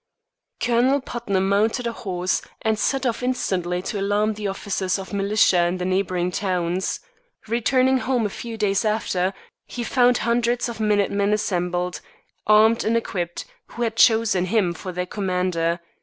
Colonel Putnam mounted a horse, and set off instantly to alarm the officers of militia in the neighboring towns. Returning home a few hours after, he found hundreds of minute men assembled, armed and equipped, who had chosen him for their commander.